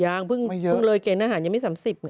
ยังเพิ่งเลยเกณฑ์อาหารยังไม่๓๐ไง